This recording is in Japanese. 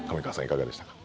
いかがでしたか？